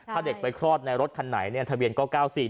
ถ้าเด็กไปคลอดในรถคันไหนเนี่ยทะเบียนก็๙๔๔